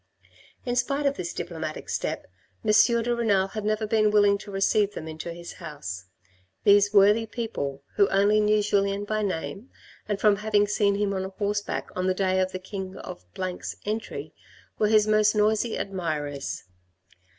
In spite of this diplomatic step, M. de Renal had never been willing to receive them in his house. These worthy people, who only knew Julien by name and from having seen him on horseback on the day of the king of 's entry, were his most noisy admirers.